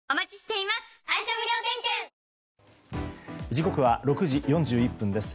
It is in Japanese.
時刻は６時４１分です。